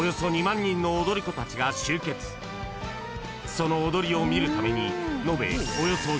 ［その踊りを見るために］